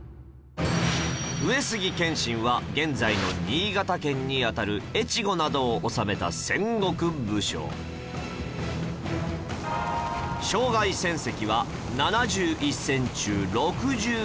上杉謙信は現在の新潟県にあたる越後などを治めた戦国武将いわれています